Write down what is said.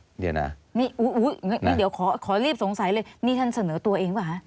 นี่เดี๋ยวขอรีบสงสัยเลยนี่ท่านเสนอตัวเองหรือเปล่า